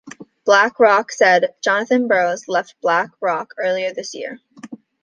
BlackRock said: Jonathan Burrows left BlackRock earlier this year.